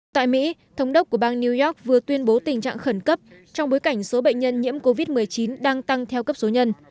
tại mỹ thống đốc của bang new york vừa tuyên bố tình trạng khẩn cấp trong bối cảnh số bệnh nhân nhiễm covid một mươi chín đang tăng theo cấp số nhân